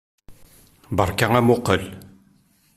Beṛka amuqqel!